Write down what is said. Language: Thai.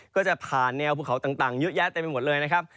ก็จะผ่านแนวภูเขาต่างเยอะแยะเต็มไปหมดเลยนะครับ